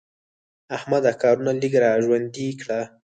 احمده کارونه لږ را ژوندي کړه.